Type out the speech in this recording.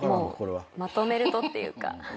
まとめるとっていうか。